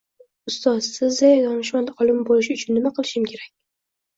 Ustoz, sizday donishmand olim boʻlish uchun nima qilishim kerak